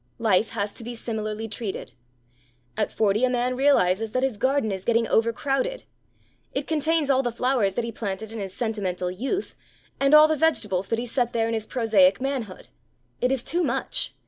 Life has to be similarly treated. At forty a man realizes that his garden is getting overcrowded. It contains all the flowers that he planted in his sentimental youth and all the vegetables that he set there in his prosaic manhood. It is too much.